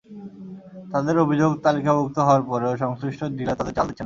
তাঁদের অভিযোগ, তালিকাভুক্ত হওয়ার পরেও সংশ্লিষ্ট ডিলার তাঁদের চাল দিচ্ছেন না।